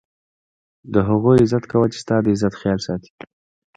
د هغو عزت کوه، چي ستا دعزت خیال ساتي.